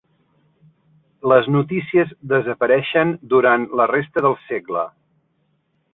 Les notícies desapareixen durant la resta del segle.